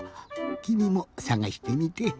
きみもさがしてみて。